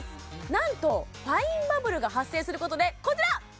なんとファインバブルが発生することでこちら！